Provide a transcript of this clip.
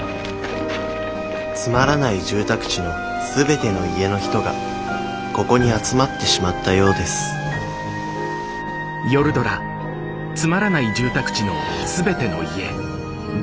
つまらない住宅地のすべての家の人がここに集まってしまったようです日置。